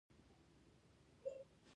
د شکردرې باغونه مشهور دي